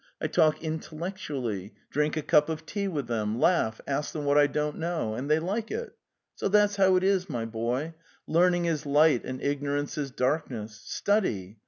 I talk intellectu ally, drink a cup of tea with them, laugh, ask them what I don't know, ... and they like it. So that's how it is, my boy. Learning is light and ignorance. is darkness. Study!